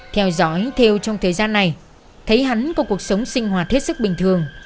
theo dõi thêu trong thời gian này thấy hắn có cuộc sống sinh hoạt thiết sức bình thường